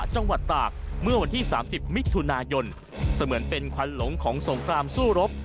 เหมือนเป็นขวัญหลงของสงครามสู้รบ